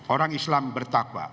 orang islam bertakwa